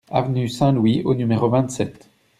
Avenue Saint-Louis au numéro vingt-sept